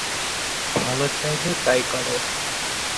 ভালো চাইলে তাই করো।